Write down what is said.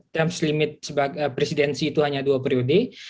term limit presidensi itu hanya dua priori